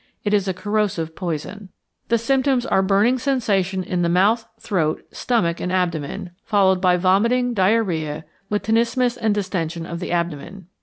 It is a corrosive poison. The symptoms are burning sensation in the mouth, throat, stomach, and abdomen, followed by vomiting, diarrhoea, with tenesmus and distension of the abdomen.